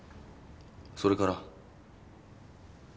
それから？